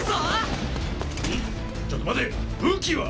ちょっと待て武器は？